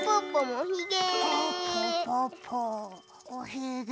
おひげ！